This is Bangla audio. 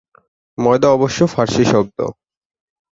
ময়দা অবশ্য ফারসি শব্দ।